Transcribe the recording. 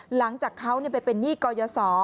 หลังจากเขาไปเป็นหนี้กยศ